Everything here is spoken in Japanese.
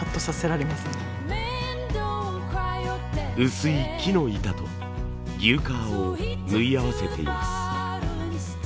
薄い木の板と牛革を縫い合わせています。